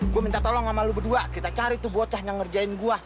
gue minta tolong sama lu berdua kita cari tuh bocah yang ngerjain gue